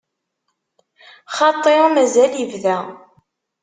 Xaṭi, mazal ibda.